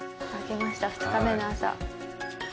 ２日目の朝。